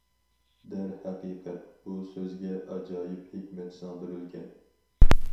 دەرھەقىقەت، بۇ سۆزگە ئاجايىپ ھېكمەت سىڭدۈرۈلگەن.